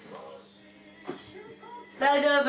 大丈夫？